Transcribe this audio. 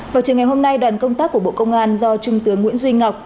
vào trường ngày hôm nay đoàn công tác của bộ công an do trung tướng nguyễn duy ngọc